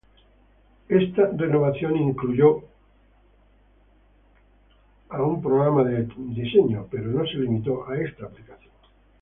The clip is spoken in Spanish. Esta renovación incluyó a Microsoft Paint, pero no se limitó a esta aplicación.